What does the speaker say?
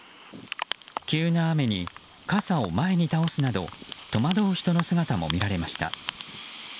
急な雨に傘を前に倒すなど戸惑う人の姿も見られました。